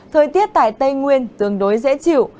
thời tiết tại tây nguyên tương đối dễ chịu